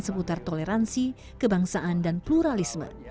seputar toleransi kebangsaan dan pluralisme